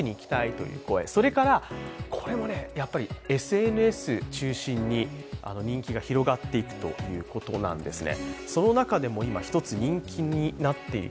それからこれはＳＮＳ中心に人気が広がっていくということなんですね。